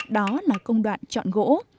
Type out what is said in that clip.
đó là công đoạn chọn gỗ